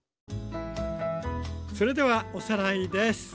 それではおさらいです。